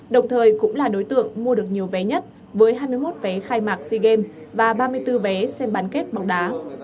đồng thời cũng là đối tượng mua được nhiều vé nhất với hai mươi một vé khai mạc sea games và ba mươi bốn vé xem bán kết bóng đá